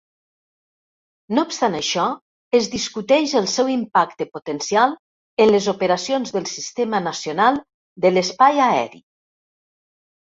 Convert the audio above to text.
No obstant això, es discuteix el seu impacte potencial en les operacions del sistema nacional de l'espai aeri.